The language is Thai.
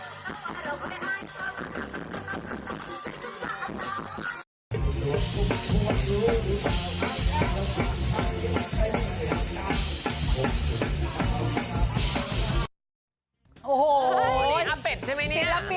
ศิลปินมาก